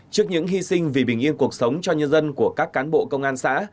trước những hy sinh vì bình yên cuộc sống cho nhân dân của các cán bộ công an xã